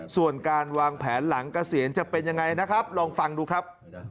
ส่วนการวางแผนหลังเกษียณจะเป็นยังไงนะครับลองฟังดูครับ